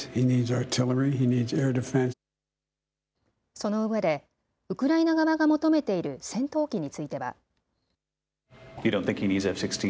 そのうえでウクライナ側が求めている戦闘機については。